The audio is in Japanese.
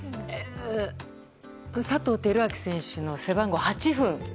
佐藤輝明選手の背番号の８分。